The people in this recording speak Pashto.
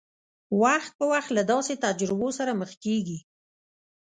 وخت په وخت له داسې تجربو سره مخ کېږي.